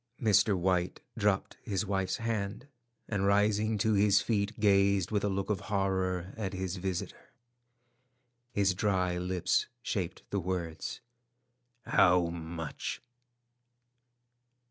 Mr. White dropped his wife's hand, and rising to his feet, gazed with a look of horror at his visitor. His dry lips shaped the words, "How much?"